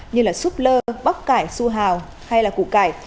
như súp lơ bóc cải su hào hay củ cải